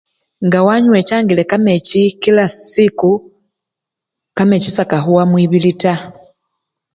Nga wanywechangile kamechi kila siku, kamechi sekakhuwa mwibili taa.